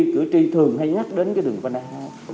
cử tri thường hay nhắc đến đường venday hai